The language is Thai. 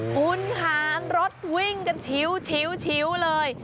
คุณหารรถวิ่งกันชิวเลย